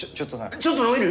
ちょっと飲める？